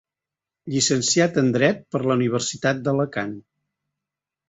Llicenciat en dret per la Universitat d'Alacant.